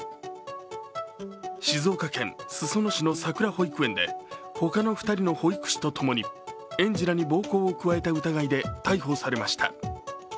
静岡県裾野市のさくら保育園で他の２人の保育士とともに園児らに暴行を加えた疑いで逮捕されました。